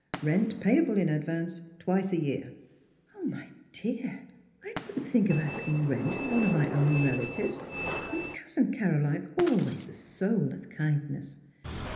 Rent payable in advance, twice a year." " Oh, my dear, I couldn't think of ask ing rent of one of my own relatives, and Cousin Caroline always the soul of kind ness